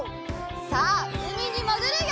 さあうみにもぐるよ！